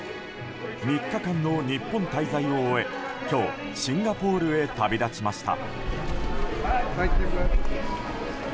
３日間の日本滞在を終え今日、シンガポールへ旅立ちました。